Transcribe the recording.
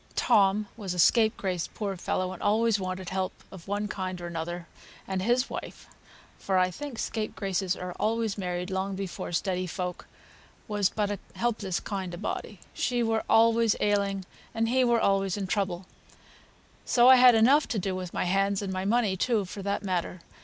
Tom was a scapegrace, poor fellow, and always wanted help of one kind or another; and his wife (for I think scapegraces are always married long before steady folk) was but a helpless kind of body. She were always ailing, and he were always in trouble; so I had enough to do with my hands and my money too, for that matter.